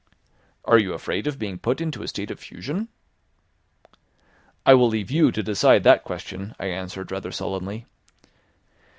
"Are you afraid of being put into a state of fusion?" "I will leave you to decide that question," I answered rather sullenly.